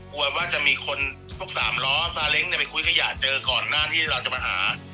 กลัวว่าจะมีคนพวกสามล้อซาเล้งไปคุยขยะเจอก่อนหน้าที่เราจะมาหา